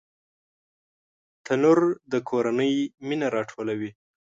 تنور د کورنۍ مینه راټولوي